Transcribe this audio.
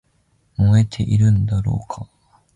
燃えているんだろうか